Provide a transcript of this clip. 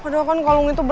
masuk kuliah dulu